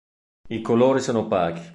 I colori sono opachi.